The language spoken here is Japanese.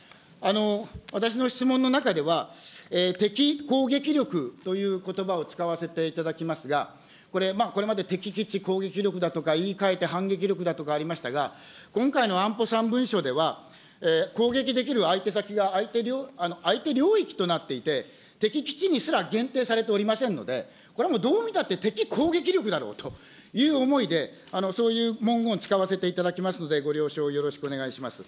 私の質問の中では、敵攻撃力ということばを使わせていただきますが、これ、これまで敵基地攻撃力だとか、言い換えて反撃力だとかありましたが、今回の安保三文書では攻撃できる相手先が、相手領域となっていて、敵基地にすら限定されておりませんので、これはもうどう見たって、敵攻撃力だろうという思いで、そういう文言使わせていただきますのでご了承、よろしくお願いします。